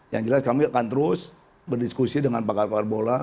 yang jelas kami akan terus berdiskusi dengan pakar pakar bola